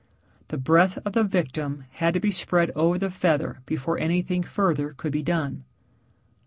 The breath of the victim had to be spread over the feather before anything further could be done.